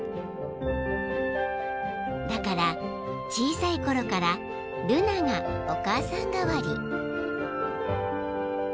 ［だから小さいころからルナがお母さん代わり］